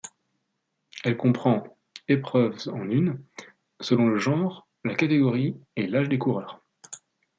Elle comprend épreuves en une, selon le genre, la catégorie et l'âge des coureurs.